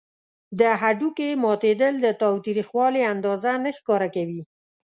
د هډوکي ماتیدل د تاوتریخوالي اندازه نه ښکاره کوي.